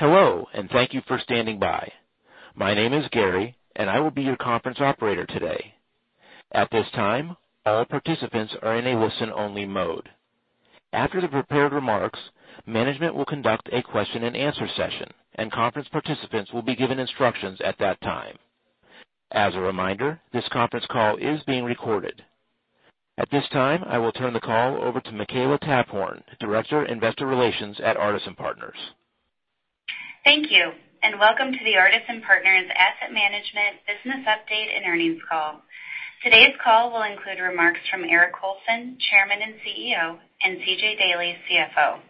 Hello. Thank you for standing by. My name is Gary. I will be your conference operator today. At this time, all participants are in a listen-only mode. After the prepared remarks, management will conduct a question and answer session. Conference participants will be given instructions at that time. As a reminder, this conference call is being recorded. At this time, I will turn the call over to Makela Taphorn, Director, Investor Relations at Artisan Partners. Thank you. Welcome to the Artisan Partners Asset Management business update and earnings call. Today's call will include remarks from Eric Colson, Chairman and CEO. C.J. Daley, CFO.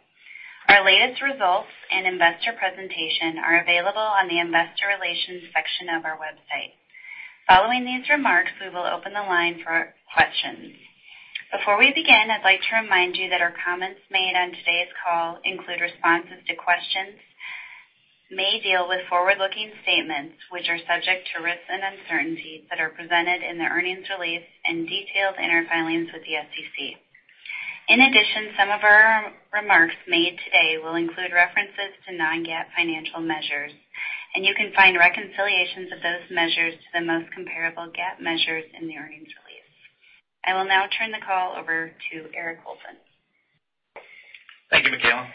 Our latest results and investor presentation are available on the investor relations section of our website. Following these remarks, we will open the line for questions. Before we begin, I'd like to remind you that our comments made on today's call include responses to questions, may deal with forward-looking statements, which are subject to risks and uncertainties that are presented in the earnings release and detailed in our filings with the SEC. In addition, some of our remarks made today will include references to non-GAAP financial measures. You can find reconciliations of those measures to the most comparable GAAP measures in the earnings release. I will now turn the call over to Eric Colson. Thank you, Makela.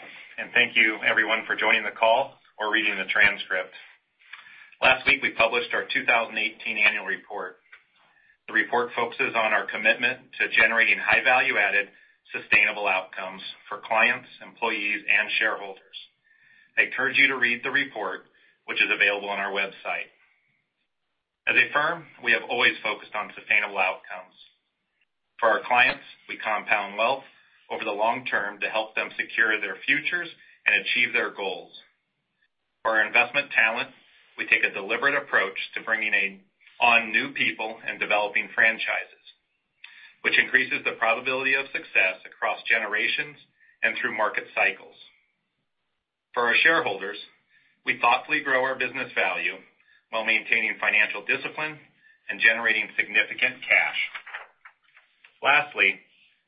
Thank you everyone for joining the call or reading the transcript. Last week, we published our 2018 annual report. The report focuses on our commitment to generating high value-added, sustainable outcomes for clients, employees, and shareholders. I encourage you to read the report, which is available on our website. As a firm, we have always focused on sustainable outcomes. For our clients, we compound wealth over the long term to help them secure their futures and achieve their goals. For our investment talent, we take a deliberate approach to bringing on new people and developing franchises, which increases the probability of success across generations and through market cycles. For our shareholders, we thoughtfully grow our business value while maintaining financial discipline and generating significant cash. Lastly,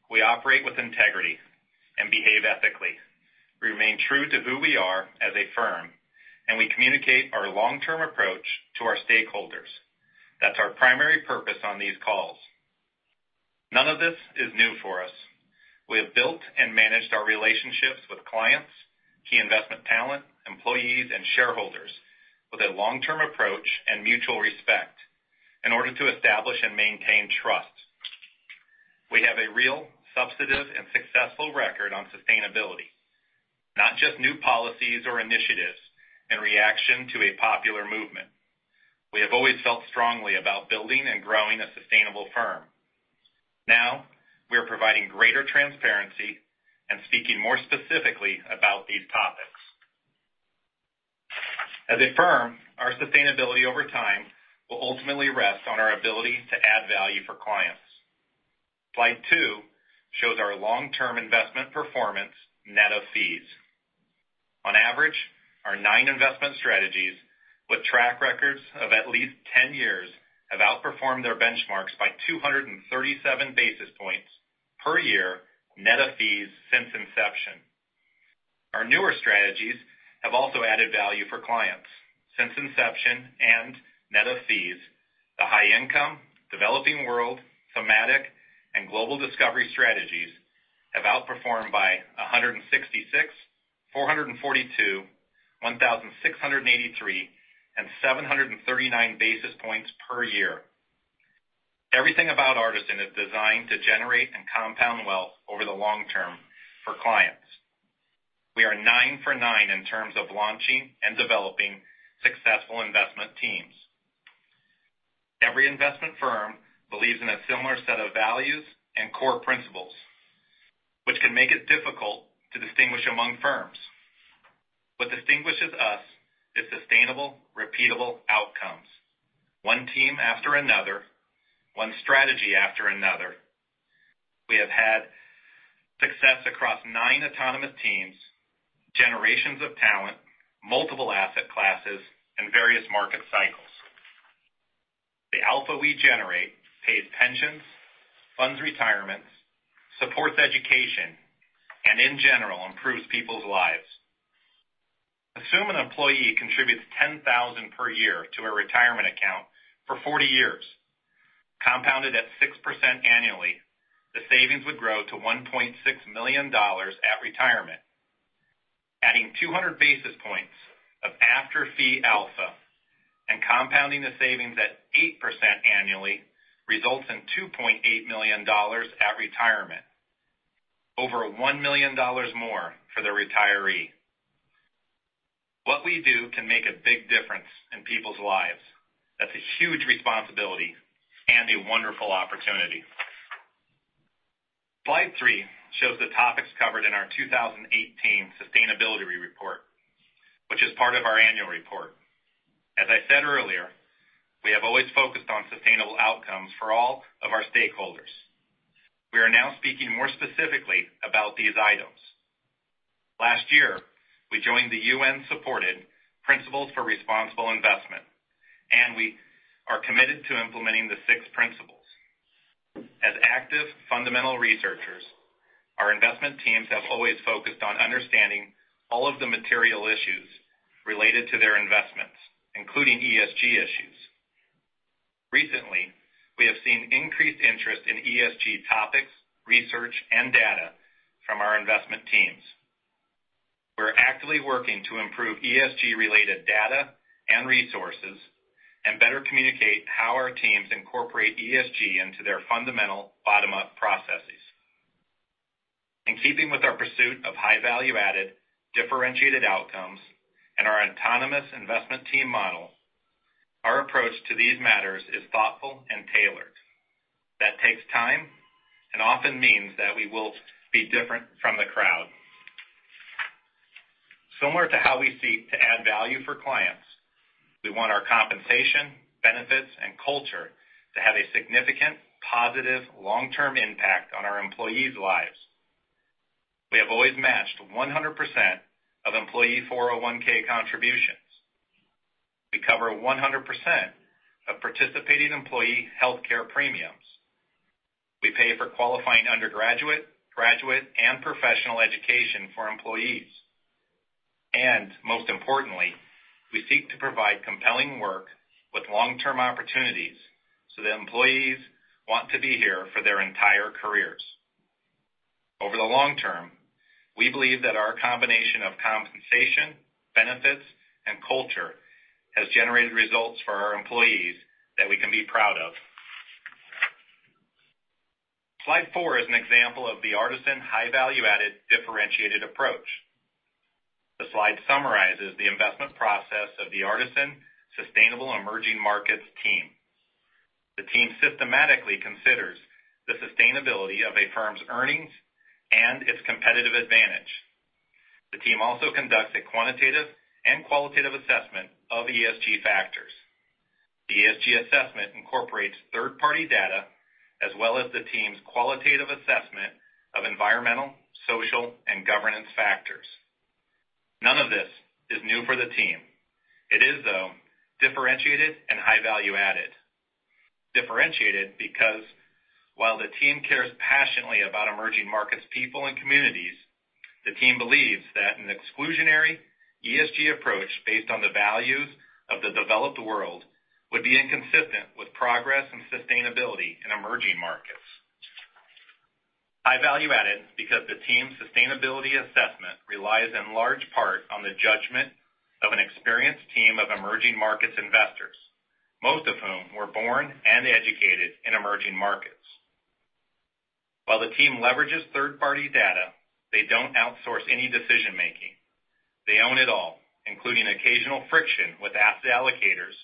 we operate with integrity and behave ethically. We remain true to who we are as a firm. We communicate our long-term approach to our stakeholders. That's our primary purpose on these calls. None of this is new for us. We have built and managed our relationships with clients, key investment talent, employees, and shareholders with a long-term approach and mutual respect in order to establish and maintain trust. We have a real, substantive, and successful record on sustainability, not just new policies or initiatives in reaction to a popular movement. We have always felt strongly about building and growing a sustainable firm. Now, we are providing greater transparency and speaking more specifically about these topics. As a firm, our sustainability over time will ultimately rest on our ability to add value for clients. Slide two shows our long-term investment performance net of fees. On average, our nine investment strategies with track records of at least 10 years have outperformed their benchmarks by 237 basis points per year net of fees since inception. Our newer strategies have also added value for clients. Since inception and net of fees, the High Income, Developing World, Thematic, and Global Discovery strategies have outperformed by 166, 442, 1,683, and 739 basis points per year. Everything about Artisan is designed to generate and compound wealth over the long term for clients. We are nine for nine in terms of launching and developing successful investment teams. Every investment firm believes in a similar set of values and core principles, which can make it difficult to distinguish among firms. What distinguishes us is sustainable, repeatable outcomes. One team after another, one strategy after another. We have had success across nine autonomous teams, generations of talent, multiple asset classes, and various market cycles. The alpha we generate pays pensions, funds retirements, supports education, and in general, improves people's lives. Assume an employee contributes $10,000 per year to a retirement account for 40 years. Compounded at 6% annually, the savings would grow to $1.6 million at retirement. Adding 200 basis points of after-fee alpha and compounding the savings at 8% annually results in $2.8 million at retirement. Over $1 million more for the retiree. What we do can make a big difference in people's lives. That's a huge responsibility and a wonderful opportunity. Slide three shows the topics covered in our 2018 sustainability report, which is part of our annual report. As I said earlier, we have always focused on sustainable outcomes for all of our stakeholders. We are now speaking more specifically about these items. Last year, we joined the UN-supported Principles for Responsible Investment. We are committed to implementing the six principles. As active fundamental researchers, our investment teams have always focused on understanding all of the material issues related to their investments, including ESG issues. Recently, we have seen increased interest in ESG topics, research, and data from our investment teams. We're actively working to improve ESG-related data and resources and better communicate how our teams incorporate ESG into their fundamental bottom-up processes. In keeping with our pursuit of high value-added, differentiated outcomes and our autonomous investment team model, our approach to these matters is thoughtful and tailored. That takes time and often means that we will be different from the crowd. Similar to how we seek to add value for clients, we want our compensation, benefits, and culture to have a significant, positive, long-term impact on our employees' lives. We have always matched 100% of employee 401(k) contributions. We cover 100% of participating employee healthcare premiums. We pay for qualifying undergraduate, graduate, and professional education for employees. Most importantly, we seek to provide compelling work with long-term opportunities so that employees want to be here for their entire careers. Over the long term, we believe that our combination of compensation, benefits, and culture has generated results for our employees that we can be proud of. Slide four is an example of the Artisan high value-added differentiated approach. The slide summarizes the investment process of the Artisan Sustainable Emerging Markets team. The team systematically considers the sustainability of a firm's earnings and its competitive advantage. The team also conducts a quantitative and qualitative assessment of ESG factors. The ESG assessment incorporates third-party data, as well as the team's qualitative assessment of environmental, social, and governance factors. None of this is new for the team. It is, though, differentiated and high value-added. Differentiated because while the team cares passionately about emerging markets, people, and communities, the team believes that an exclusionary ESG approach based on the values of the developed world would be inconsistent with progress and sustainability in emerging markets. High value-added because the team's sustainability assessment relies in large part on the judgment of an experienced team of emerging markets investors, most of whom were born and educated in emerging markets. While the team leverages third-party data, they don't outsource any decision-making. They own it all, including occasional friction with asset allocators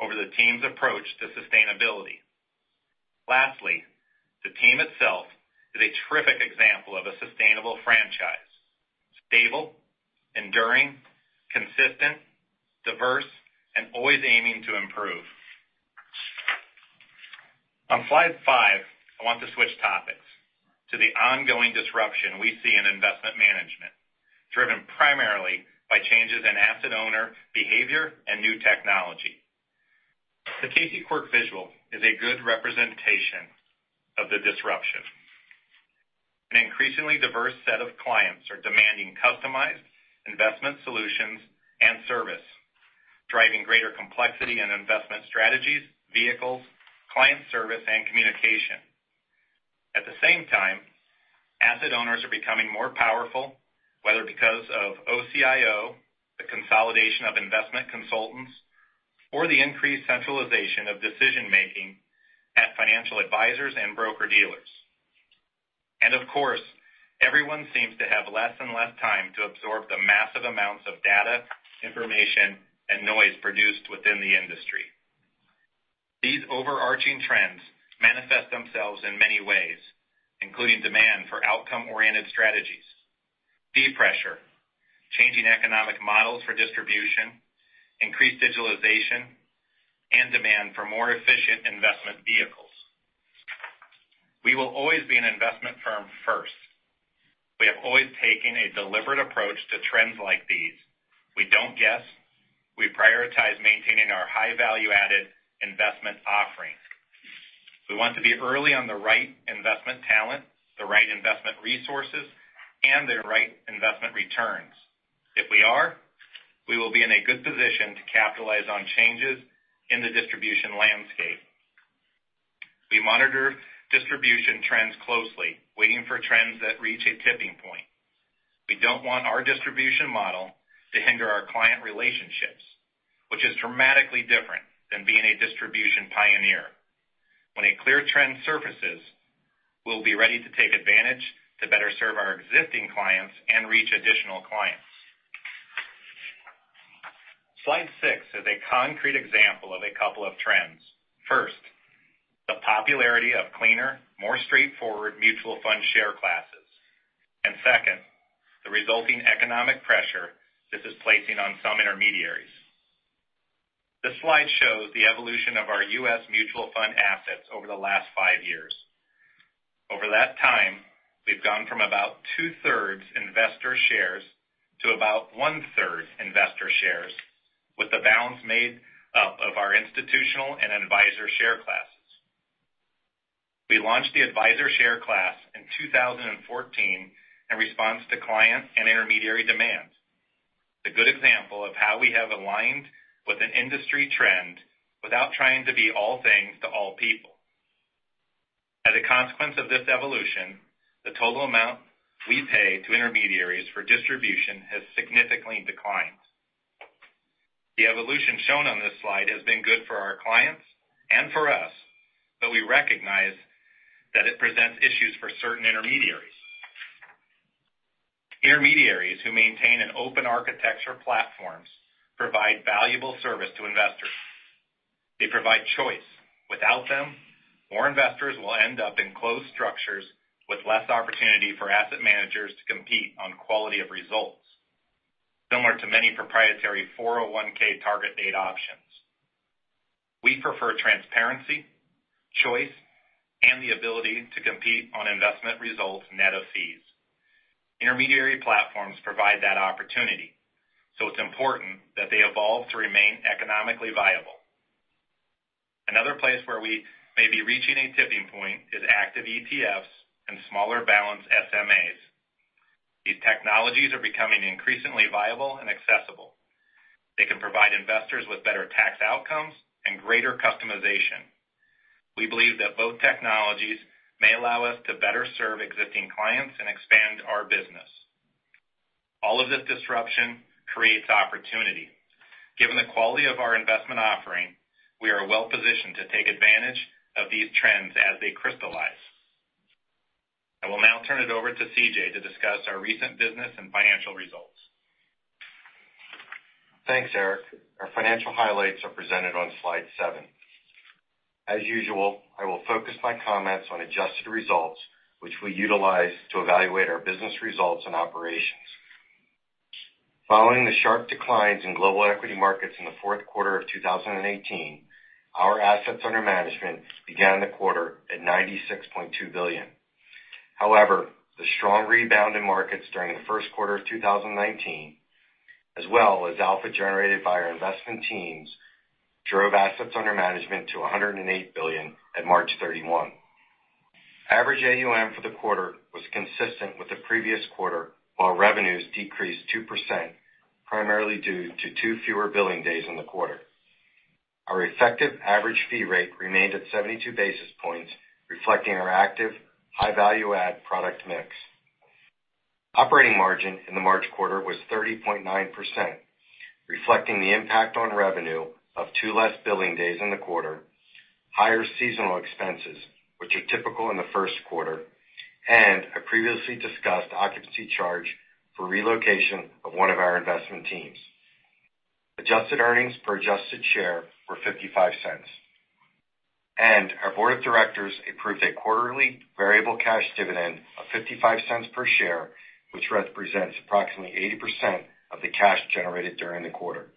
over the team's approach to sustainability. Lastly, the team itself is a terrific example of a sustainable franchise. Stable, enduring, consistent, diverse, and always aiming to improve. On slide five, I want to switch topics to the ongoing disruption we see in investment management, driven primarily by changes in asset owner behavior and new technology. The Casey Quirk visual is a good representation of the disruption. An increasingly diverse set of clients are demanding customized investment solutions and service, driving greater complexity in investment strategies, vehicles, client service, and communication. At the same time, asset owners are becoming more powerful, whether because of OCIO, the consolidation of investment consultants, or the increased centralization of decision-making at financial advisors and broker-dealers. Of course, everyone seems to have less and less time to absorb the massive amounts of data, information, and noise produced within the industry. These overarching trends manifest themselves in many ways, including demand for outcome-oriented strategies, fee pressure, changing economic models for distribution, increased digitalization, and demand for more efficient investment vehicles. We will always be an investment firm first. We have always taken a deliberate approach to trends like these. We don't guess. We prioritize maintaining our high value-added investment offerings. We want to be early on the right investment talent, the right investment resources, and the right investment returns. If we are, we will be in a good position to capitalize on changes in the distribution landscape. We monitor distribution trends closely, waiting for trends that reach a tipping point. We don't want our distribution model to hinder our client relationships, which is dramatically different than being a distribution pioneer. When a clear trend surfaces, we'll be ready to take advantage to better serve our existing clients and reach additional clients. Slide six is a concrete example of a couple of trends. First, the popularity of cleaner, more straightforward mutual fund share classes, and second, the resulting economic pressure this is placing on some intermediaries. This slide shows the evolution of our U.S. mutual fund assets over the last five years. Over that time, we've gone from about two-thirds investor shares to about one-third investor shares, with the balance made up of our institutional and advisor share classes. We launched the advisor share class in 2014 in response to client and intermediary demands. It's a good example of how we have aligned with an industry trend without trying to be all things to all people. As a consequence of this evolution, the total amount we pay to intermediaries for distribution has significantly declined. The evolution shown on this slide has been good for our clients and for us, we recognize that it presents issues for certain intermediaries. Intermediaries who maintain an open-architecture platforms provide valuable service to investors. They provide choice. Without them, more investors will end up in closed structures with less opportunity for asset managers to compete on quality of results, similar to many proprietary 401(k) target date options. We prefer transparency, choice, and the ability to compete on investment results net of fees. It's important that they evolve to remain economically viable. Another place where we may be reaching a tipping point is active ETFs and smaller balance SMAs. These technologies are becoming increasingly viable and accessible. They can provide investors with better tax outcomes and greater customization. We believe that both technologies may allow us to better serve existing clients and expand our business. All of this disruption creates opportunity. Given the quality of our investment offering, we are well-positioned to take advantage of these trends as they crystallize. I will now turn it over to C.J. to discuss our recent business and financial results. Thanks, Eric. Our financial highlights are presented on slide seven. As usual, I will focus my comments on adjusted results, which we utilize to evaluate our business results and operations. Following the sharp declines in global equity markets in the fourth quarter of 2018, our assets under management began the quarter at $96.2 billion. The strong rebound in markets during the first quarter of 2019, as well as alpha generated by our investment teams, drove assets under management to $108 billion at March 31. Average AUM for the quarter was consistent with the previous quarter, while revenues decreased 2%, primarily due to two fewer billing days in the quarter. Our effective average fee rate remained at 72 basis points, reflecting our active, high-value add product mix. Operating margin in the March quarter was 30.9%, reflecting the impact on revenue of two less billing days in the quarter, higher seasonal expenses, which are typical in the first quarter, and a previously discussed occupancy charge for relocation of one of our investment teams. Adjusted earnings per adjusted share were $0.55. Our board of directors approved a quarterly variable cash dividend of $0.55 per share, which represents approximately 80% of the cash generated during the quarter.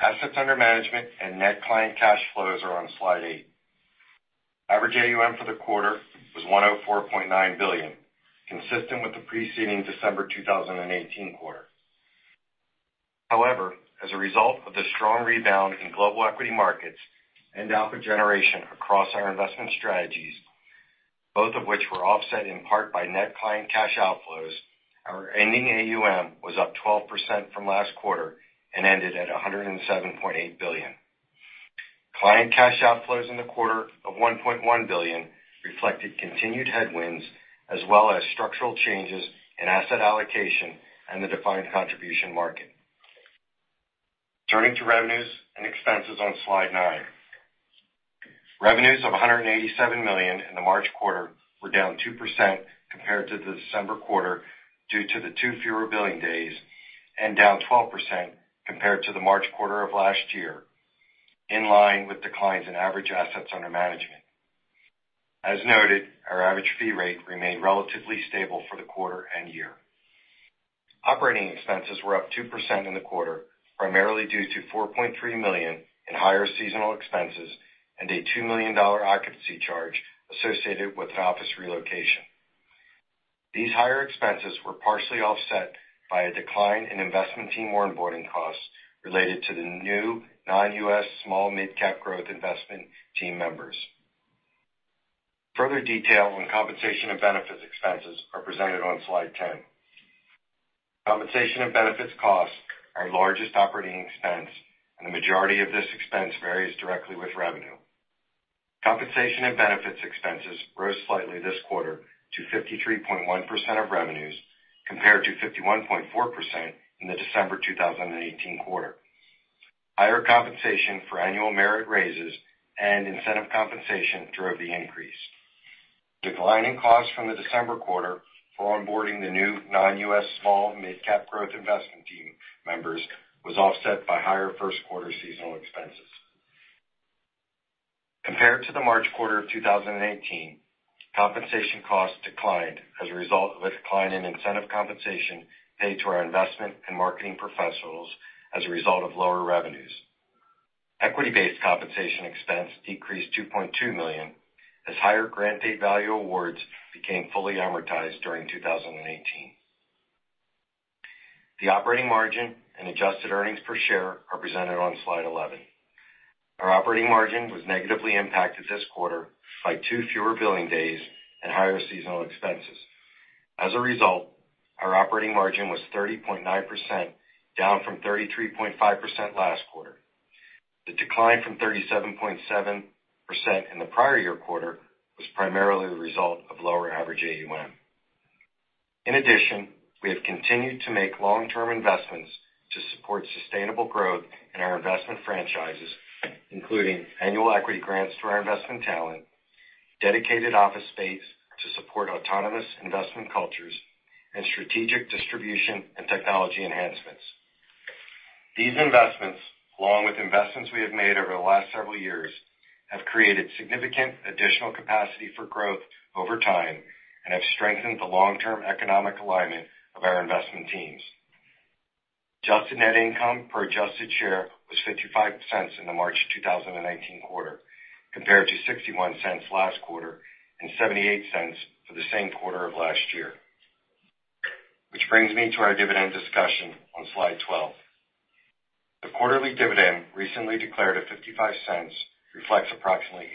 Assets under management and net client cash flows are on slide eight. Average AUM for the quarter was $104.9 billion, consistent with the preceding December 2018 quarter. However, as a result of the strong rebound in global equity markets and alpha generation across our investment strategies, both of which were offset in part by net client cash outflows, our ending AUM was up 12% from last quarter and ended at $107.8 billion. Client cash outflows in the quarter of $1.1 billion reflected continued headwinds, as well as structural changes in asset allocation and the defined contribution market. Turning to revenues and expenses on slide 9. Revenues of $187 million in the March quarter were down 2% compared to the December quarter due to the two fewer billing days, and down 12% compared to the March quarter of last year, in line with declines in average assets under management. As noted, our average fee rate remained relatively stable for the quarter and year. Operating expenses were up 2% in the quarter, primarily due to $4.3 million in higher seasonal expenses and a $2 million occupancy charge associated with an office relocation. These higher expenses were partially offset by a decline in investment team onboarding costs related to the new Non-U.S. Small-Mid Growth investment team members. Further detail on compensation and benefits expenses are presented on slide 10. Compensation and benefits costs are our largest operating expense, and the majority of this expense varies directly with revenue. Compensation and benefits expenses rose slightly this quarter to 53.1% of revenues, compared to 51.4% in the December 2018 quarter. Higher compensation for annual merit raises and incentive compensation drove the increase. Declining costs from the December quarter for onboarding the new Non-U.S. Small-Mid Growth investment team members was offset by higher first quarter seasonal expenses. Compared to the March quarter of 2018, compensation costs declined as a result of a decline in incentive compensation paid to our investment and marketing professionals as a result of lower revenues. Equity-based compensation expense decreased $2.2 million, as higher grant date value awards became fully amortized during 2018. The operating margin and adjusted earnings per share are presented on slide 11. Our operating margin was negatively impacted this quarter by two fewer billing days and higher seasonal expenses. As a result, our operating margin was 30.9%, down from 33.5% last quarter. The decline from 37.7% in the prior year quarter was primarily the result of lower average AUM. In addition, we have continued to make long-term investments to support sustainable growth in our investment franchises, including annual equity grants to our investment talent, dedicated office space to support autonomous investment cultures, and strategic distribution and technology enhancements. These investments, along with investments we have made over the last several years, have created significant additional capacity for growth over time and have strengthened the long-term economic alignment of our investment teams. Adjusted net income per adjusted share was $0.55 in the March 2019 quarter, compared to $0.61 last quarter and $0.78 for the same quarter of last year. Which brings me to our dividend discussion on slide 12. The quarterly dividend recently declared at $0.55 reflects approximately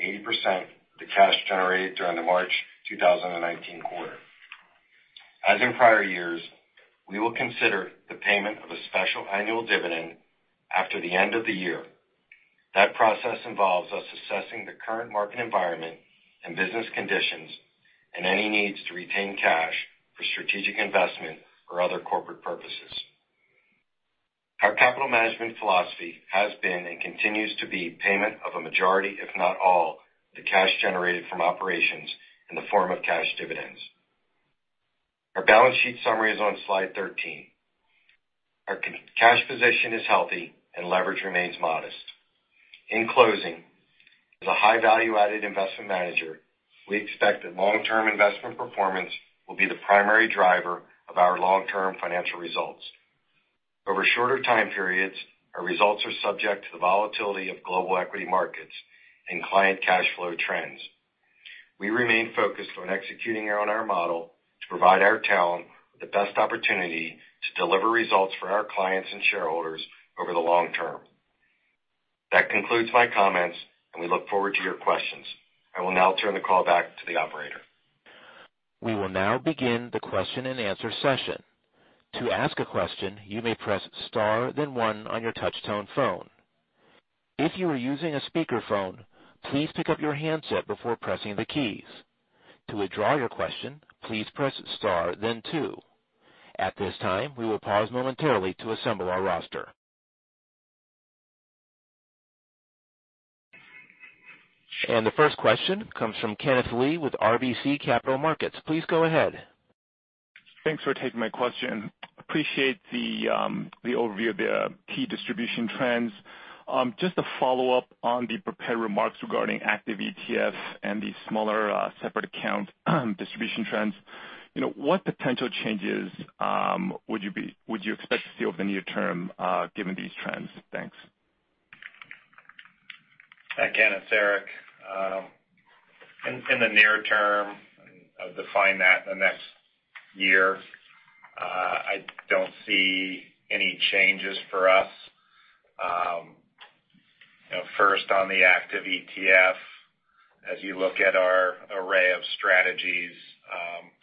80% of the cash generated during the March 2019 quarter. As in prior years, we will consider the payment of a special annual dividend after the end of the year. That process involves us assessing the current market environment and business conditions and any needs to retain cash for strategic investment or other corporate purposes. Our capital management philosophy has been, and continues to be, payment of a majority, if not all, the cash generated from operations in the form of cash dividends. Our balance sheet summary is on slide 13. Our cash position is healthy and leverage remains modest. In closing, as a high value-added investment manager, we expect that long-term investment performance will be the primary driver of our long-term financial results. Over shorter time periods, our results are subject to the volatility of global equity markets and client cash flow trends. We remain focused on executing on our model to provide our talent with the best opportunity to deliver results for our clients and shareholders over the long term. That concludes my comments, and we look forward to your questions. I will now turn the call back to the operator. We will now begin the question and answer session. To ask a question, you may press star then one on your touch tone phone. If you are using a speakerphone, please pick up your handset before pressing the keys. To withdraw your question, please press star then two. At this time, we will pause momentarily to assemble our roster. The first question comes from Kenneth Lee with RBC Capital Markets. Please go ahead. Thanks for taking my question. Appreciate the overview of the key distribution trends. Just a follow-up on the prepared remarks regarding active ETFs and the smaller separate account distribution trends. What potential changes would you expect to see over the near term, given these trends? Thanks. Hi, Kenneth. It's Eric. In the near term, I'll define that the next year, I don't see any changes for us. First, on the active ETF, as you look at our array of strategies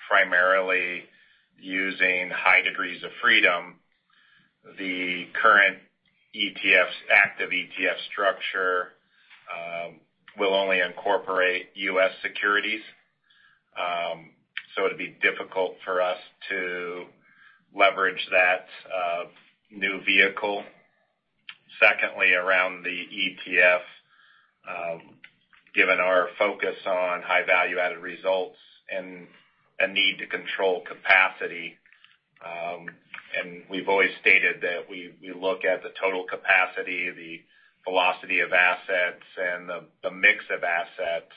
primarily using high degrees of freedom, the current ETF's active ETF structure will only incorporate U.S. securities. It'd be difficult for us to leverage that new vehicle. Secondly, around the ETF, given our focus on high value-added results and a need to control capacity, we've always stated that we look at the total capacity, the velocity of assets, and the mix of assets.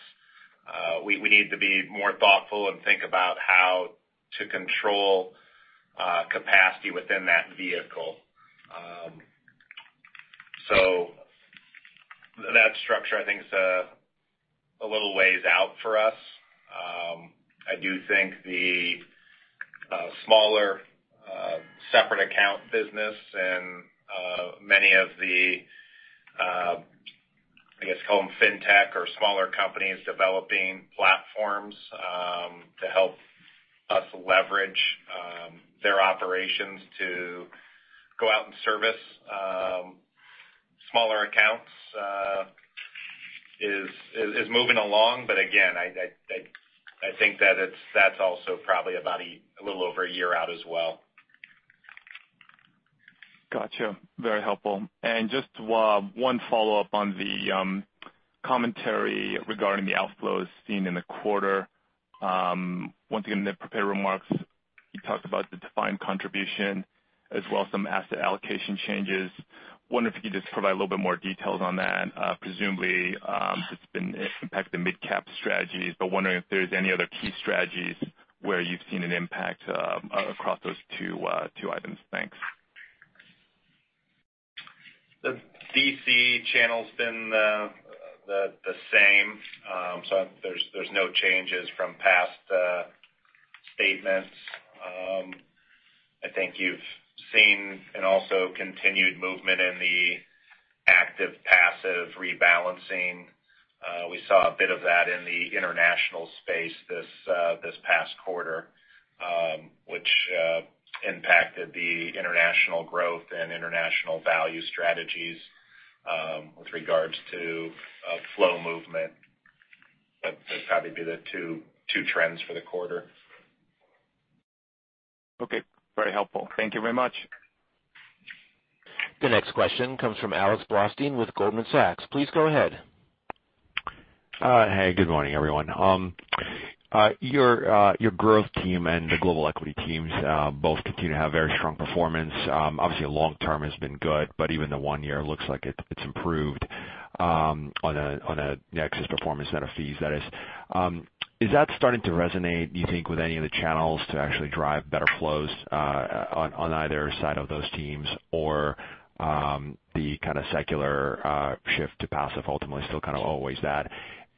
We need to be more thoughtful and think about how to control capacity within that vehicle. That structure, I think, is a little ways out for us. I do think the smaller separate account business and many of the, I guess, call them fintech or smaller companies developing platforms to help us leverage their operations to go out and service smaller accounts is moving along. Again, I think that's also probably about a little over a year out as well. Got you. Very helpful. Just one follow-up on the commentary regarding the outflows seen in the quarter. Once again, in the prepared remarks, you talked about the defined contribution as well as some asset allocation changes. Wondering if you could just provide a little bit more details on that. Presumably, it's been impacting mid-cap strategies, but wondering if there's any other key strategies where you've seen an impact across those two items. Thanks. The DC channel's been the same. There's no changes from past statements. I think you've seen an also continued movement in the active-passive rebalancing. We saw a bit of that in the international space this past quarter, which impacted the International Growth and International Value strategies with regards to flow movement. That'd probably be the two trends for the quarter. Okay. Very helpful. Thank you very much. The next question comes from Alex Blostein with Goldman Sachs. Please go ahead. Hey, good morning, everyone. Your growth team and the global equity teams both continue to have very strong performance. Obviously, long term has been good, but even the one year looks like it's improved on an excess performance net of fees, that is. Is that starting to resonate, do you think, with any of the channels to actually drive better flows on either side of those teams or the kind of secular shift to passive ultimately still kind of always that?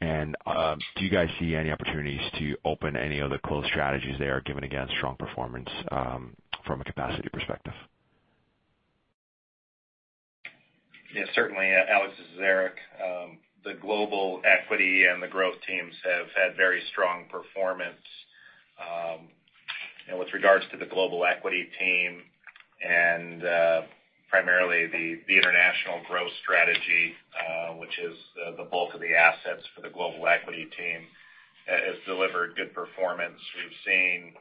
Do you guys see any opportunities to open any of the closed strategies there, given, again, strong performance from a capacity perspective? Yeah, certainly. Alex, this is Eric. The global equity and the growth teams have had very strong performance. With regards to the global equity team and primarily the Non-U.S. Growth strategy, which is the bulk of the assets for the global equity team, has delivered good performance. We've seen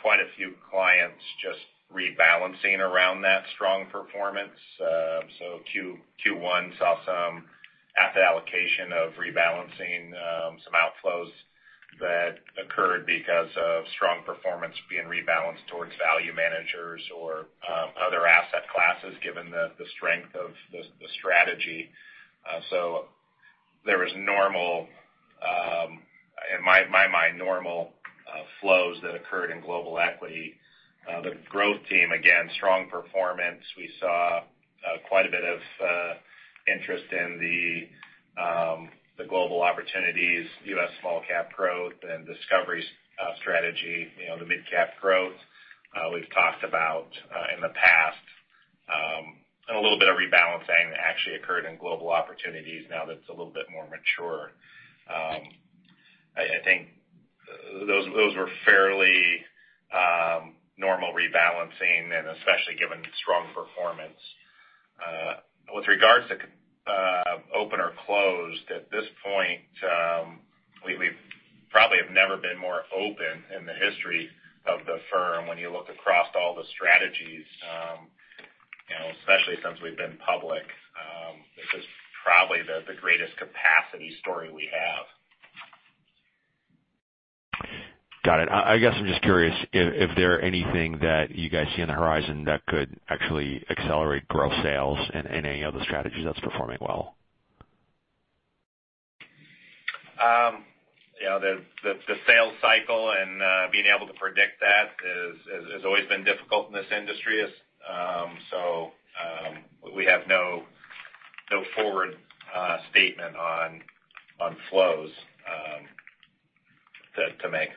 quite a few clients just rebalancing around that strong performance. Q1 saw some asset allocation of rebalancing some outflows that occurred because of strong performance being rebalanced towards value managers or other asset classes, given the strength of the strategy. There was, in my mind, normal flows that occurred in global equity. The growth team, again, strong performance. We saw quite a bit of interest in the Global Opportunities, U.S. Small-Cap Growth, and Global Discovery strategy. The U.S. Mid-Cap Growth we've talked about in the past. A little bit of rebalancing that actually occurred in Global Opportunities now that it's a little bit more mature. I think those were fairly normal rebalancing, especially given strong performance. With regards to open or closed, at this point, we probably have never been more open in the history of the firm when you look across all the strategies. Especially since we've been public. This is probably the greatest capacity story we have. Got it. I guess I'm just curious if there are anything that you guys see on the horizon that could actually accelerate growth sales in any of the strategies that's performing well. The sales cycle and being able to predict that has always been difficult in this industry. We have no forward statement on flows to make.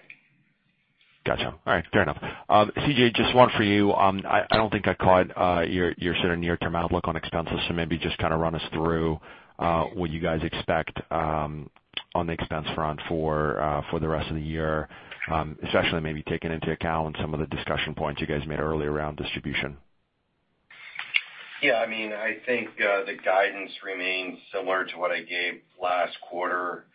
Got you. All right, fair enough. C.J. Daley, just one for you. I don't think I caught your sort of near-term outlook on expenses, maybe just run us through what you guys expect on the expense front for the rest of the year. Especially maybe taking into account some of the discussion points you guys made earlier around distribution. Yeah. I think the guidance remains similar to what I gave last quarter.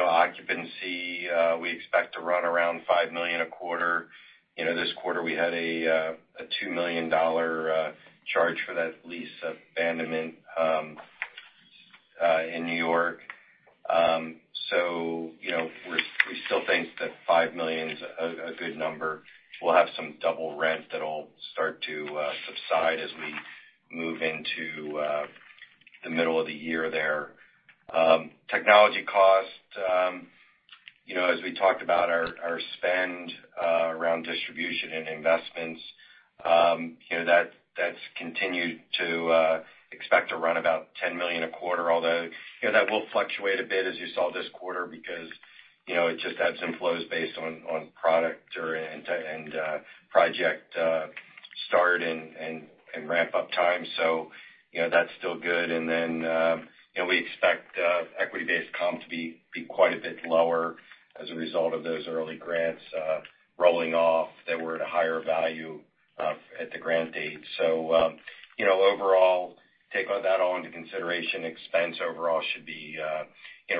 Occupancy, we expect to run around $5 million a quarter. This quarter, we had a $2 million charge for that lease abandonment in N.Y. We still think that $5 million is a good number. We'll have some double rent that'll start to subside as we move into the middle of the year there. Technology cost. As we talked about our spend around distribution and investments, that's continued to expect to run about $10 million a quarter, although that will fluctuate a bit as you saw this quarter because it just ebbs and flows based on product or end-to-end project start and ramp-up time. That's still good. We expect equity-based comp to be quite a bit lower as a result of those early grants rolling off that were at a higher value at the grant date. Overall, take that all into consideration, expense overall should be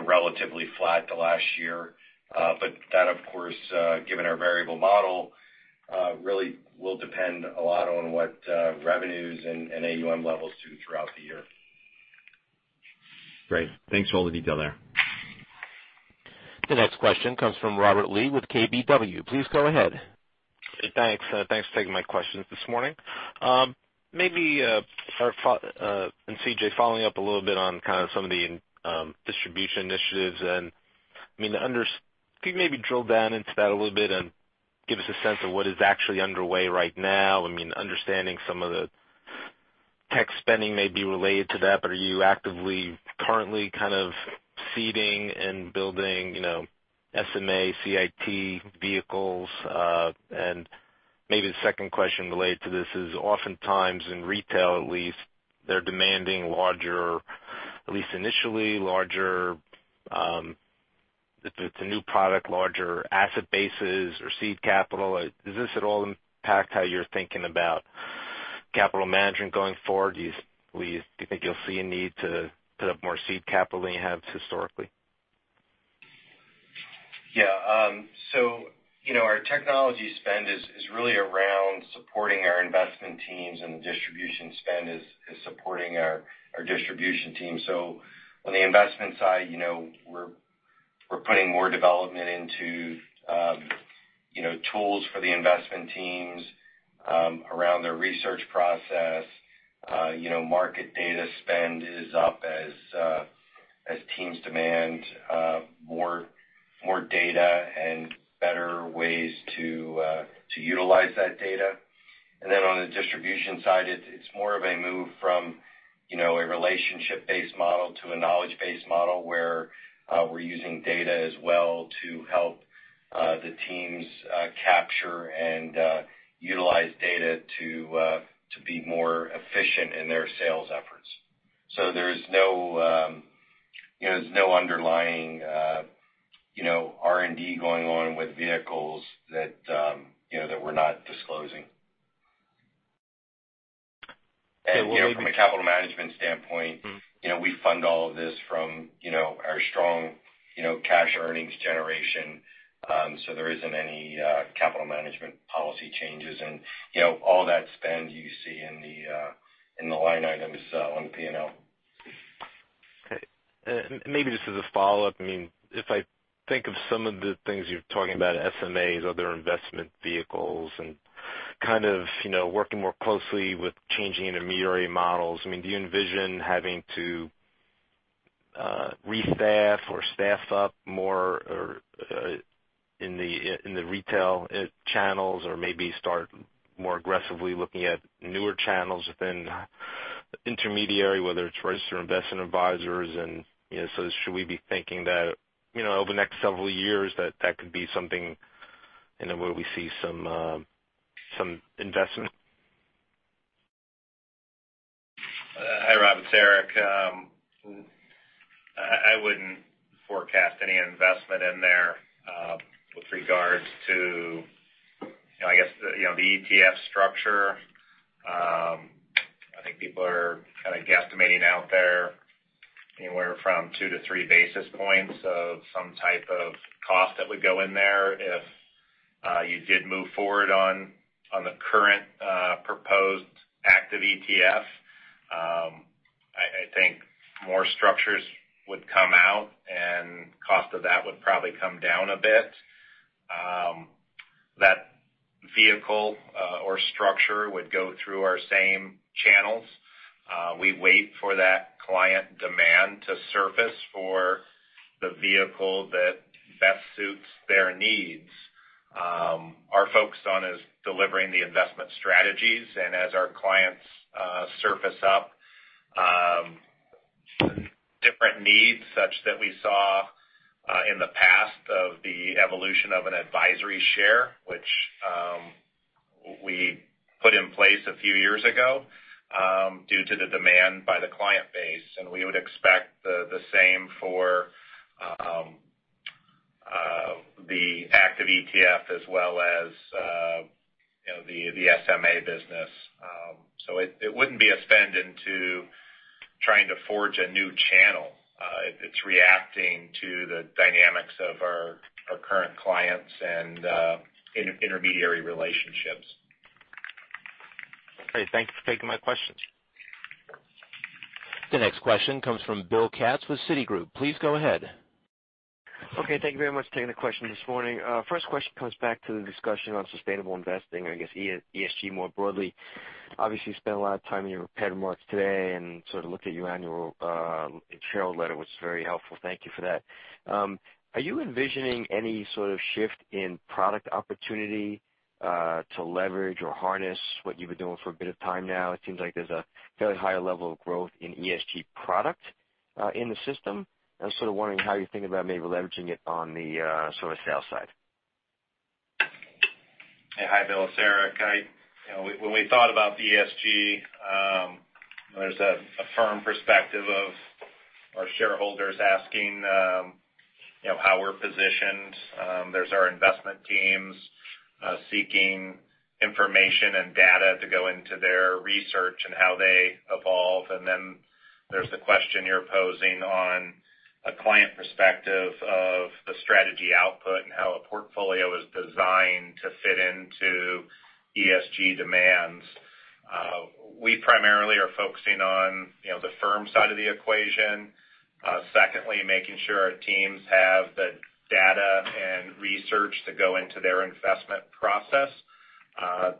relatively flat to last year. That, of course, given our variable model, really will depend a lot on what revenues and AUM levels do throughout the year. Great. Thanks for all the detail there. The next question comes from Robert Lee with KBW. Please go ahead. Thanks for taking my questions this morning. C.J., following up a little bit on some of the distribution initiatives, can you maybe drill down into that a little bit and give us a sense of what is actually underway right now. Understanding some of the tech spending may be related to that, but are you actively currently seeding and building SMA CIT vehicles? Maybe the second question related to this is, oftentimes in retail at least, they're demanding, at least initially, if it's a new product, larger asset bases or seed capital. Does this at all impact how you're thinking about capital management going forward? Do you think you'll see a need to put up more seed capital than you have historically? Yeah. Our technology spend is really around supporting our investment teams, the distribution spend is supporting our distribution team. On the investment side, we're putting more development into tools for the investment teams around their research process. Market data spend is up as teams demand more data and better ways to utilize that data. On the distribution side, it's more of a move from a relationship-based model to a knowledge-based model, where we're using data as well to help the teams capture and utilize data to be more efficient in their sales efforts. There's no underlying R&D going on with vehicles that we're not disclosing. What would- From a capital management standpoint- We fund all of this from our strong cash earnings generation. There isn't any capital management policy changes. All that spend you see in the line items on P&L. Okay. Maybe just as a follow-up, if I think of some of the things you're talking about, SMAs, other investment vehicles, and working more closely with changing intermediary models, do you envision having to restaff or staff up more in the retail channels? Or maybe start more aggressively looking at newer channels within intermediary, whether it's registered investment advisors. Should we be thinking that over the next several years, that that could be something in the way we see some investment? Hi, Robert. It's Eric. I wouldn't forecast any investment in there with regards to the ETF structure. I think people are guesstimating out there anywhere from two to three basis points of some type of cost that would go in there if you did move forward on the current proposed active ETF. More structures would come out, and cost of that would probably come down a bit. That vehicle or structure would go through our same channels. We wait for that client demand to surface for the vehicle that best suits their needs. Our focus on is delivering the investment strategies, and as our clients surface up different needs, such that we saw in the past of the evolution of an advisory share, which we put in place a few years ago due to the demand by the client base. We would expect the same for the active ETF as well as the SMA business. It wouldn't be a spend into trying to forge a new channel. It's reacting to the dynamics of our current clients and intermediary relationships. Okay, thanks for taking my questions. The next question comes from William Katz with Citigroup. Please go ahead. Okay. Thank you very much for taking the question this morning. First question comes back to the discussion on sustainable investing, I guess ESG more broadly. Obviously, you spent a lot of time in your prepared remarks today and looked at your annual shareholder letter, was very helpful. Thank you for that. Are you envisioning any sort of shift in product opportunity to leverage or harness what you've been doing for a bit of time now? It seems like there's a fairly high level of growth in ESG product in the system. I'm sort of wondering how you think about maybe leveraging it on the sales side. Hi, Bill. It's Eric. When we thought about the ESG, there's a firm perspective of our shareholders asking how we're positioned. There's our investment teams seeking information and data to go into their research and how they evolve. Then there's the question you're posing on a client perspective of the strategy output and how a portfolio is designed to fit into ESG demands. We primarily are focusing on the firm side of the equation. Secondly, making sure our teams have the data and research to go into their investment process.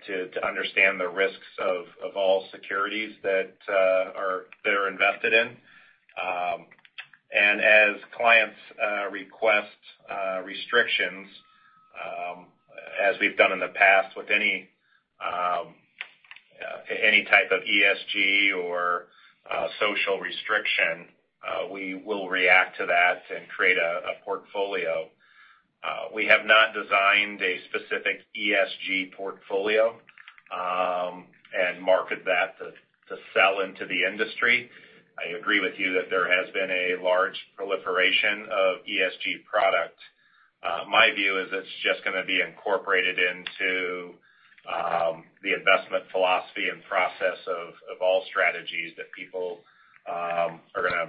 To understand the risks of all securities that are invested in. As clients request restrictions, as we've done in the past with any type of ESG or social restriction, we will react to that and create a portfolio. We have not designed a specific ESG portfolio, and market that to sell into the industry. I agree with you that there has been a large proliferation of ESG product. My view is it's just going to be incorporated into the investment philosophy and process of all strategies that people are going to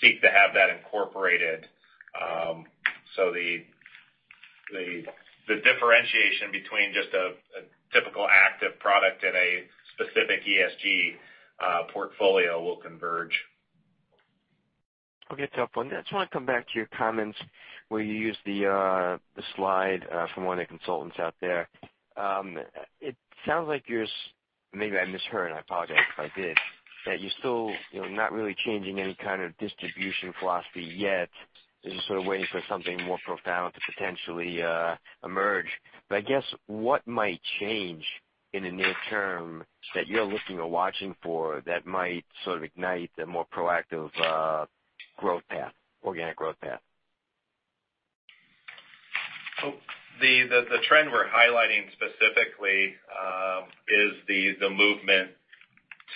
seek to have that incorporated. The differentiation between just a typical active product and a specific ESG portfolio will converge. Okay. It's helpful. I just want to come back to your comments where you used the slide from one of the consultants out there. It sounds like you're, maybe I misheard, I apologize if I did, that you're still not really changing any kind of distribution philosophy yet. You're sort of waiting for something more profound to potentially emerge. I guess, what might change in the near term that you're looking or watching for that might sort of ignite the more proactive organic growth path? The trend we're highlighting specifically, is the movement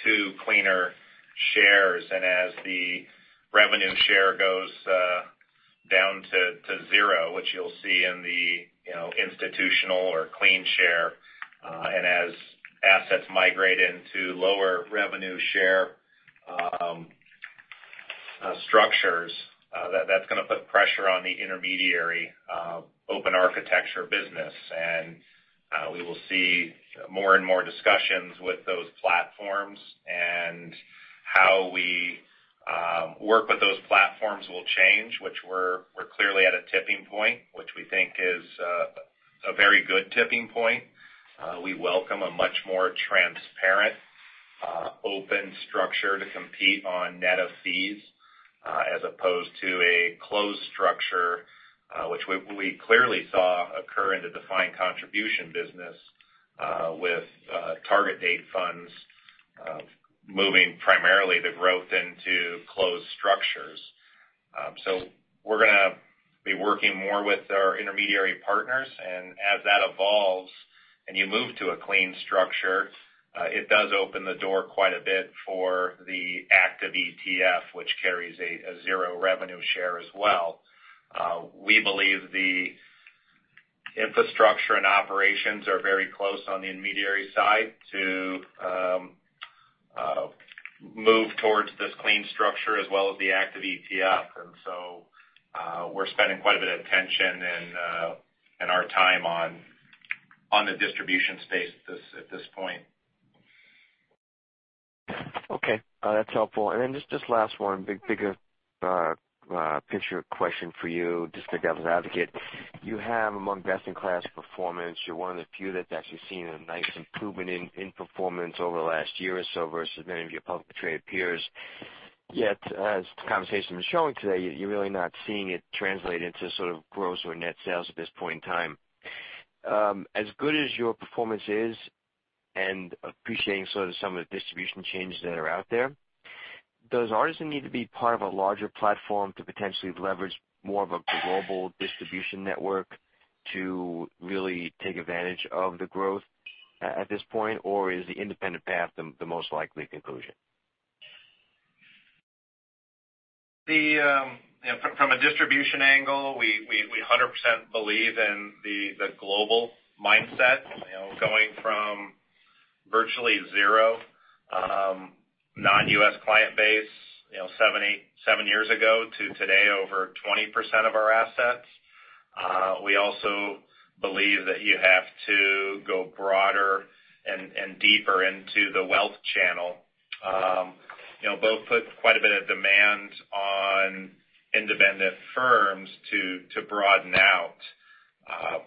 to cleaner shares. As the revenue share goes down to zero, which you'll see in the institutional or clean share, as assets migrate into lower revenue share structures, that's going to put pressure on the intermediary open-architecture business. We will see more and more discussions with those platforms and how we work with those platforms will change, which we're clearly at a tipping point, which we think is a very good tipping point. We welcome a much more transparent, open structure to compete on net of fees, as opposed to a closed structure, which we clearly saw occur in the defined contribution business, with target date funds moving primarily the growth into closed structures. We're going to be working more with our intermediary partners, as that evolves, you move to a clean structure, it does open the door quite a bit for the active ETF, which carries a zero revenue share as well. We believe the infrastructure and operations are very close on the intermediary side to move towards this clean structure as well as the active ETF. We're spending quite a bit of attention and our time on the distribution space at this point. Okay. That's helpful. Just last one. Bigger picture question for you, just the devil's advocate. You have among best-in-class performance, you're one of the few that's actually seen a nice improvement in performance over the last year or so versus many of your publicly-traded peers. Yet, as the conversation is showing today, you're really not seeing it translate into sort of gross or net sales at this point in time. As good as your performance is, appreciating sort of some of the distribution changes that are out there, does Artisan need to be part of a larger platform to potentially leverage more of a global distribution network to really take advantage of the growth at this point? Or is the independent path the most likely conclusion? From a distribution angle, we 100% believe in the global mindset. Going from virtually zero non-U.S. client base seven years ago, to today, over 20% of our assets. We also believe that you have to go broader and deeper into the wealth channel. Both put quite a bit of demand on independent firms to broaden out.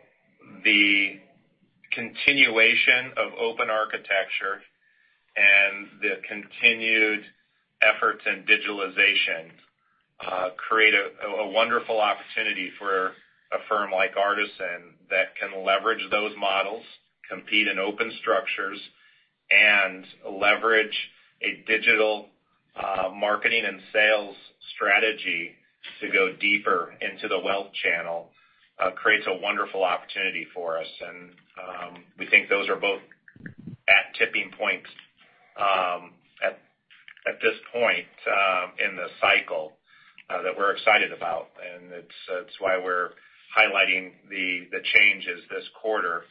The continuation of open architecture and the continued efforts in digitalization create a wonderful opportunity for a firm like Artisan that can leverage those models, compete in open structures, and leverage a digital marketing and sales strategy to go deeper into the wealth channel. Creates a wonderful opportunity for us. We think those are both at tipping points at this point in the cycle, that we're excited about. That's why we're highlighting the changes this quarter.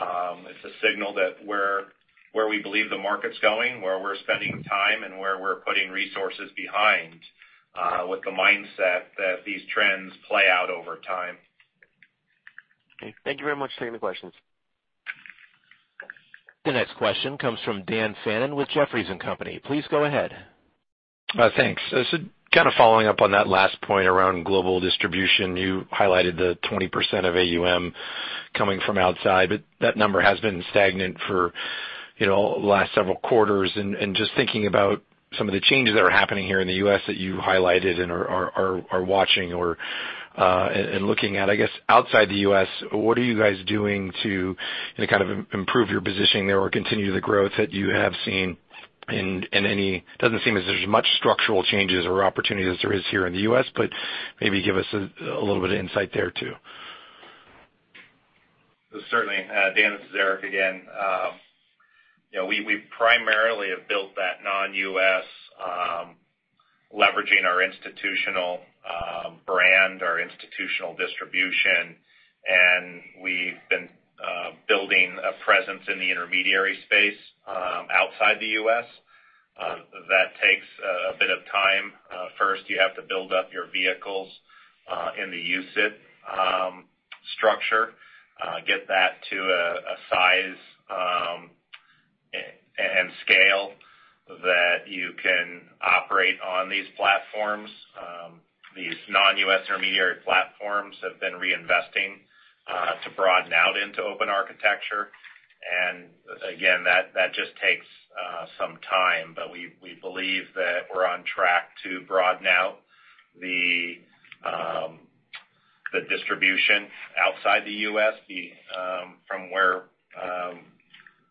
It's a signal that where we believe the market's going, where we're spending time, and where we're putting resources behind, with the mindset that these trends play out over time. Okay. Thank you very much for taking the questions. The next question comes from Daniel Fannon with Jefferies & Company. Please go ahead. Thanks. Kind of following up on that last point around global distribution, you highlighted the 20% of AUM coming from outside, but that number has been stagnant for the last several quarters. Just thinking about some of the changes that are happening here in the U.S. that you highlighted and are watching or looking at, I guess, outside the U.S., what are you guys doing to kind of improve your positioning there or continue the growth that you have seen? It doesn't seem as there's much structural changes or opportunities as there is here in the U.S., maybe give us a little bit of insight there, too. Certainly. Dan, this is Eric again. We primarily have built that non-U.S., leveraging our institutional brand, our institutional distribution, and we've been building a presence in the intermediary space outside the U.S. That takes a bit of time. First, you have to build up your vehicles in the UCITS structure, get that to a size and scale that you can operate on these platforms. These non-U.S. intermediary platforms have been reinvesting to broaden out into open architecture. Again, that just takes some time. We believe that we're on track to broaden out the distribution outside the U.S. from where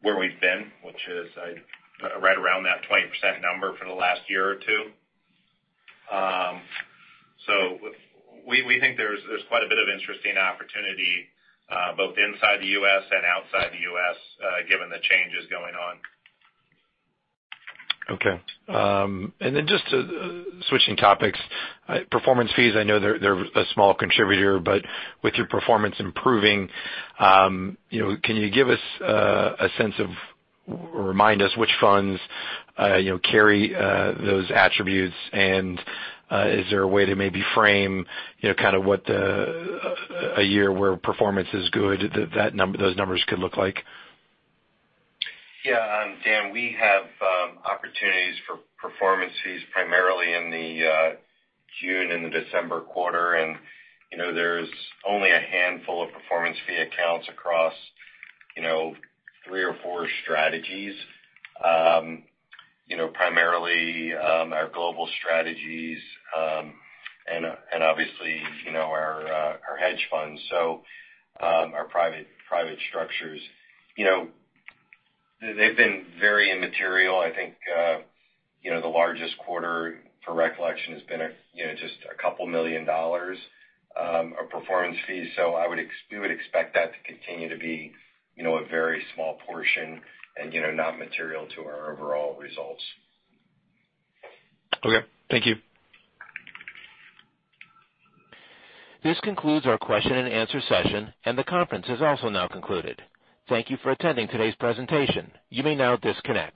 we've been, which is right around that 20% number for the last year or two. We think there's quite a bit of interesting opportunity both inside the U.S. and outside the U.S., given the changes going on. Okay. Then just switching topics. Performance fees, I know they're a small contributor, with your performance improving, can you give us a sense of, or remind us which funds carry those attributes? Is there a way to maybe frame kind of what a year where performance is good, those numbers could look like? Yeah. Dan, we have opportunities for performance fees primarily in the June and the December quarter. There's only a handful of performance fee accounts across three or four strategies. Primarily our global strategies, and obviously our hedge funds. Our private structures. They've been very immaterial. I think the largest quarter for recollection has been just a couple million dollars of performance fees. We would expect that to continue to be a very small portion and not material to our overall results. Okay. Thank you. This concludes our question and answer session. The conference is also now concluded. Thank you for attending today's presentation. You may now disconnect.